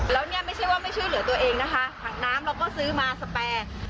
แล้วเนี่ยไม่ใช่ว่าไม่ช่วยเหลือตัวเองนะคะถังน้ำเราก็ซื้อมาสแปร